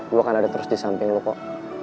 gue kan ada terus di samping lo kok